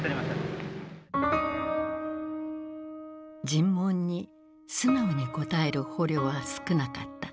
尋問に素直に答える捕虜は少なかった。